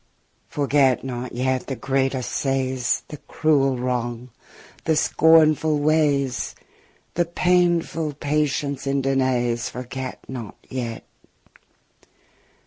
Forget not yet the great assays*, {trials, tests} The cruel wrongs, the scornful ways, The painful patience in denays, Forget not yet.